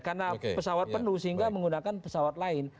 karena pesawat penuh sehingga menggunakan pesawat lain